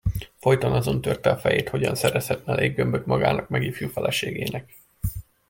Folyton azon törte a fejét, hogyan szerezhetne léggömböt magának meg ifjú feleségének.